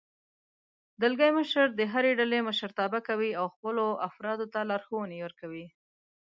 دلګی مشر د هرې ډلې مشرتابه کوي او خپلو افرادو ته لارښوونې ورکوي.